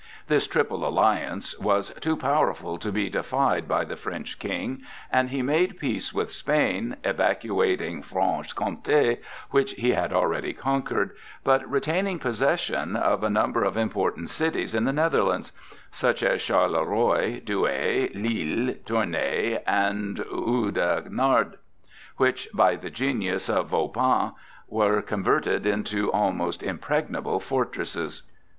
This Triple Alliance was too powerful to be defied by the French King, and he made peace with Spain, evacuating Franche Comté, which he had already conquered, but retaining possession of a number of important cities in the Netherlands,—such as Charleroi, Douai, Lille, Tournay and Oudenarde, which by the genius of Vauban were converted into almost impregnable fortresses.